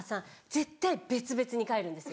絶対別々に帰るんですよ。